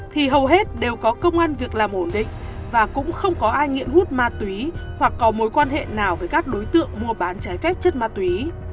thì hầu hết đều có công an việc làm ổn định và cũng không có ai nghiện hút ma túy hoặc có mối quan hệ nào với các đối tượng mua bán trái phép chất ma túy